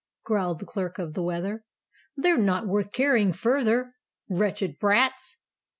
growled the Clerk of the Weather. "They're not worth carrying further wretched brats!"